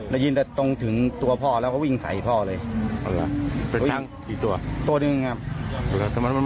ได้ยินแต่ตรงถึงตัวพ่อแล้วก็วิ่งใส่พ่อเลยเป็นผู้หญิงกี่ตัวตัวหนึ่งครับ